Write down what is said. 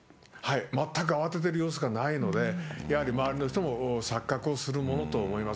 全く慌ててる様子がないので、やはり周りの人も錯覚をするものと思います。